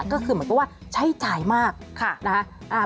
ก็คือเหมือนกับว่าใช้จ่ายมากนะคะ